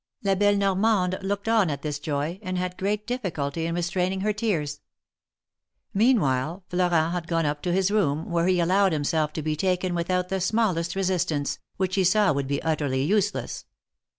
La belle Normande looked on at this joy, and had great difficulty in restraining her tears. Meanwhile Florent had gone up to his room, where he allowed himself to be taken without the smallest resist ance, which he saw would be utterly useless.